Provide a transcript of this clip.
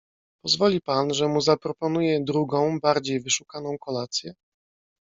"Pozwoli pan, że mu zaproponuję drugą, bardziej wyszukaną, kolację?"